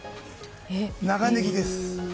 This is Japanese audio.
長ネギです。